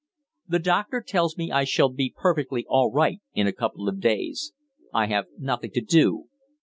The doctor tells me I shall be perfectly all right in a couple of days. I have nothing to do.